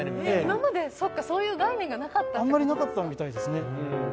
今までそういう概念がなかったあんまりなかったみたいですね